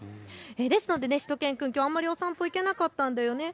ですのでしゅと犬くん、きょうはあんまりお散歩行けなかったんだよね。